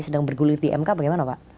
sedang bergulir di mk bagaimana pak